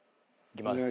いきます。